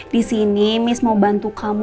di sini miss mau bantu kamu